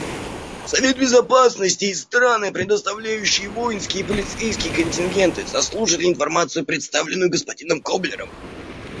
Совет Безопасности и страны, предоставляющие воинские и полицейские контингенты, заслушали информацию, представленную господином Коблером.